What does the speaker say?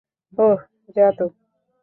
ওহ, জাদু!